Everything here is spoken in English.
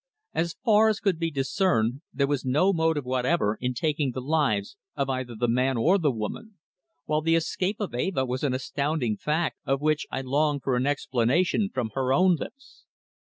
As far as could be discerned there was no motive whatever in taking the lives of either the man or the woman, while the escape of Eva was an astounding fact of which I longed for an explanation from her own lips.